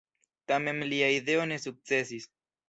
Tamen lia ideo ne sukcesis.